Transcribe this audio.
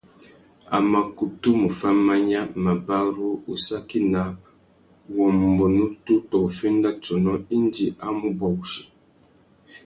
A mà kutu mù fá manya, mabarú, ussaki naā, uwômbô nutu tô uffénda tsônô indi a mù bwa wussi.